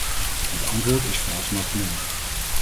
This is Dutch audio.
Het antwoord is vooralsnog nee.